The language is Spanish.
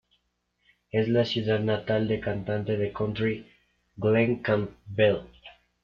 Es la ciudad natal de cantante de country Glen Campbell.